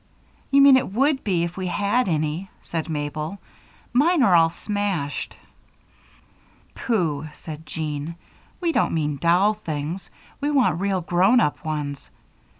"You mean it would be if we had any," said Mabel. "Mine are all smashed." "Pooh!" said Jean. "We don't mean doll things we want real, grown up ones.